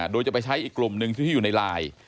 โดยจะไปใช้อีกกลุ่มหนึ่งที่อยู่ในไลน์